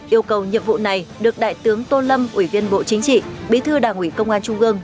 yêu cầu nhiệm vụ này được đại tướng tô lâm ủy viên bộ chính trị bí thư đảng ủy công an trung ương